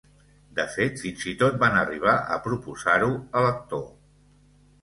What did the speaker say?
De fet fins i tot van arribar a proposar-ho a l'actor.